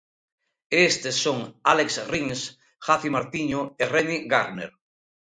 E estes son Álex Rins, Jaci Martiño e Remi Gardner.